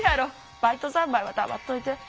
バイトざんまいは黙っといて。